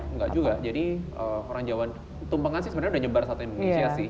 enggak juga jadi orang jawa tumpengan sih sebenarnya udah nyebar satu indonesia sih